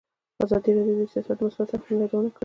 ازادي راډیو د سیاست د مثبتو اړخونو یادونه کړې.